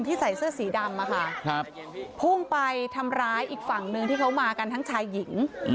ใส่เสื้อสีดำพุ่งไปทำร้ายอีกฝั่งหนึ่งที่เขามากันทั้งชายหญิง